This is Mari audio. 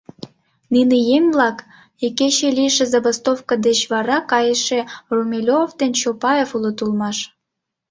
Нине еҥ-влак икече лийше забастовка деч вара кайыше Румелёв ден Чолпаев улыт улмаш.